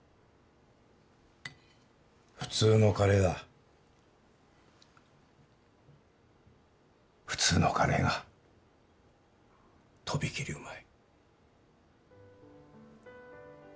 普通のカレエだ普通のカレエがとびきりうまい